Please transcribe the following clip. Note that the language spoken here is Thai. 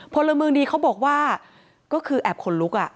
พลเมืองดีเขาบอกว่าก็คือแอบขนลุก